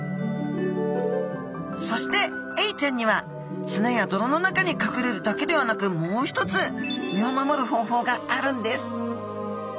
そしてエイちゃんには砂や泥の中に隠れるだけではなくもう一つ身を守る方法があるんです